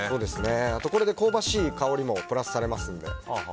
ここで香ばしい香りもプラスされますので。